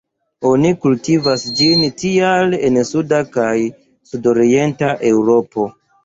Oni kultivas ĝin tial en suda kaj sudorienta Eŭropo.